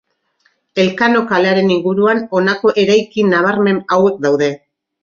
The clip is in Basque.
Elkano kalearen inguruan honako eraikin nabarmen hauek daude.